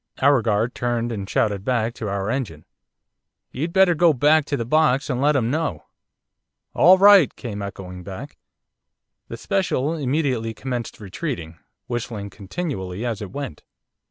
Our guard turned and shouted back to our engine, 'You'd better go back to the box and let 'em know!' 'All right!' came echoing back. The special immediately commenced retreating, whistling continually as it went.